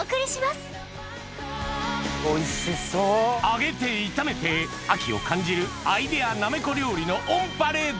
揚げて炒めて秋を感じるアイデアなめこ料理のオンパレード！